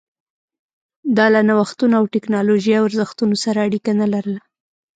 دا له نوښتونو او ټکنالوژۍ ارزښتونو سره اړیکه نه لرله